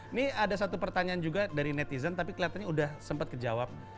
ini ada satu pertanyaan juga dari netizen tapi kelihatannya udah sempat kejawab